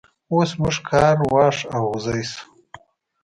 اوس موږ کار واښ او غوزی شو.